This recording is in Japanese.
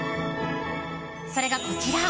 それが、こちら。